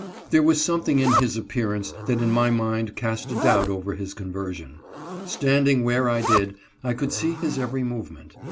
There was something in his appearance that in my mind cast a doubt over his conversion. Standing where I did, I could see his every movement.